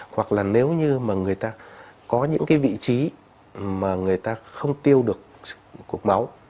hoặc là nếu như mà người ta có những cái vị trí mà người ta không tiêu được cục máu